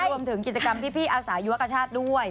รวมถึงกิจกรรมที่พี่อาสายุวกชาติด้วย